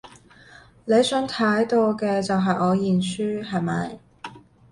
你想睇到嘅就係我認輸，係咪？